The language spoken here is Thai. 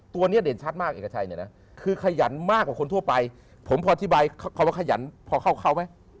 ตัวนี้เด่นชัดมากเอกชัยเนี่ยนะคือขยันมากกว่าคนทั่วไปผมพออธิบายคำว่าขยันพอเข้าไหม